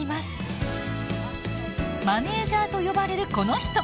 「マネージャー」と呼ばれるこの人。